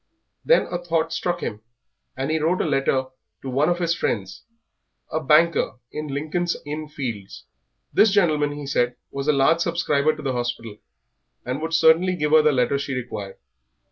Then a thought struck him, and he wrote a letter to one of his friends, a banker in Lincoln's Inn Fields. This gentleman, he said, was a large subscriber to the hospital, and would certainly give her the letter she required.